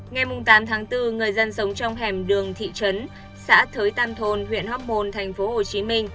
ngày tám tháng bốn người dân sống trong hẻm đường thị trấn xã thới tam thôn huyện hóc môn tp hcm